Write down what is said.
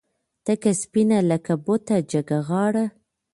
تکه سپینه لکه بته جګه غاړه